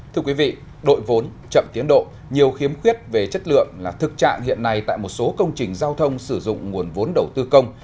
thưa quý vị đội vốn chậm tiến độ nhiều khiếm khuyết về chất lượng là thực trạng hiện nay tại một số công trình giao thông sử dụng nguồn vốn đầu tư công